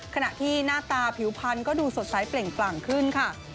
ขณะที่หน้าตาผิวพันธุ์ก็ดูสดใสเปล่งปลั่งขึ้นค่ะ